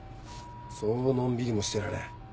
そうのんびりもしてられん。